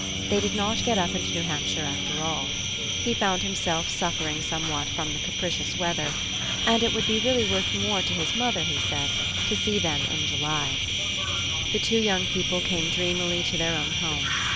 They did not get up into New Hampshire, after all. He found himself suffering somewhat from the capricious weather ; and it would be really worth more to his mother, he said, to see them in July. 236 TH# STORY OF AVIS. The two young people came dreamily to their own home.